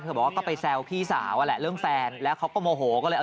บอกว่าก็ไปแซวพี่สาวอะแหละเรื่องแฟนแล้วเขาก็โมโหก็เลยเอา